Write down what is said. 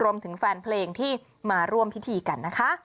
รวมถึงแฟนเพลงที่มาร่วมพิธีกันนะคะ